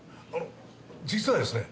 実はですね